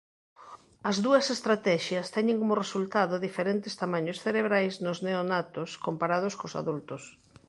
As dúas estratexias teñen como resultado diferentes tamaños cerebrais nos neonatos comparados cos adultos.